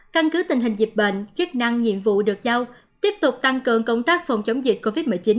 căn cứ tình hình dịch bệnh chức năng nhiệm vụ được giao tiếp tục tăng cường công tác phòng chống dịch covid một mươi chín